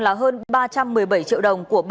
là hơn ba trăm một mươi bảy triệu đồng của bà